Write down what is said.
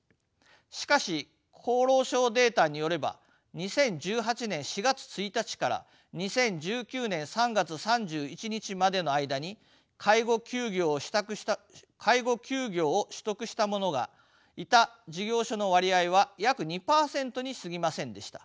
しかし厚労省データによれば２０１８年４月１日から２０１９年３月３１日までの間に介護休業を取得した者がいた事業所の割合は約２％にすぎませんでした。